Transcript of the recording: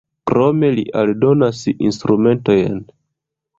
Krome li aldonas instrumentojn.